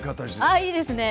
あっいいですね！